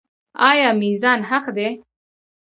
آیا میزان حق دی؟